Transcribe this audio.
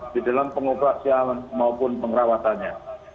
di dalam pengoperasian maupun pengrawatannya